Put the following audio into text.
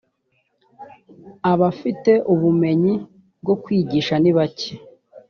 abafite ubumenyi bwo kwigisha ni bake